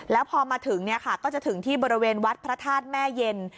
แล้วพอมาถึงก็จะถึงที่บริเวณวัดพระธาตุแม่เย็น